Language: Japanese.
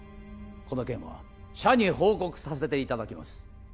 この件は社に報告させていただきます